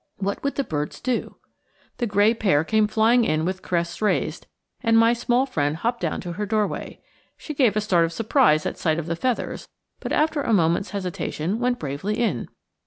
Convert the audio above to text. What would the birds do? The gray pair came flying in with crests raised, and my small friend hopped down to her doorway. She gave a start of surprise at sight of the feathers, but after a moment's hesitation went bravely in!